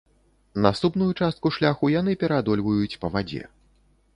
Наступную частку шляху яны пераадольваюць па вадзе.